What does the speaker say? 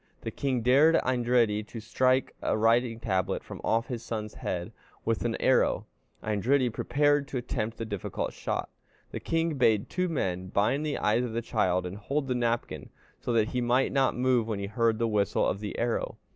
The king dared Eindridi to strike a writing tablet from off his son's head with an arrow. Eindridi prepared to attempt the difficult shot. The king bade two men bind the eyes of the child and hold the napkin, so that he might not move when he heard the whistle of the arrow.